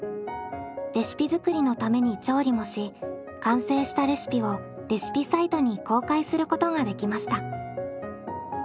レシピ作りのために調理もし完成したレシピをレシピサイトに公開することができました。